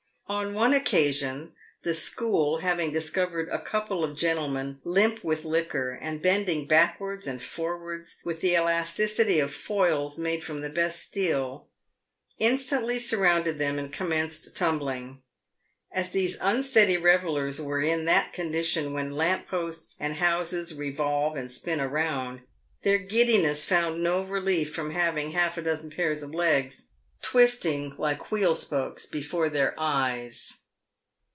Ou one occasion, the " school" having discovered a couple of gentlemen limp with liquor, and bending backwards and forwards with the elasticity of foils made from the best steel, instantly surrounded them and commenced tumbling. As these unsteady revellers were in that condition when lamp posts and houses revolve and spin around, their giddiness found no relief from having half a dozen pairs of legs twisting like wheel spokes before their eyes.